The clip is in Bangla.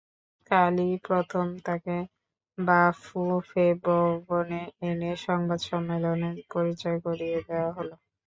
কালই প্রথম তাঁকে বাফুফে ভবনে এনে সংবাদ সম্মেলনে পরিচয় করিয়ে দেওয়া হলো।